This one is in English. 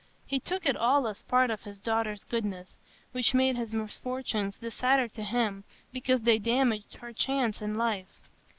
He took it all as part of his daughter's goodness, which made his misfortunes the sadder to him because they damaged her chance in life.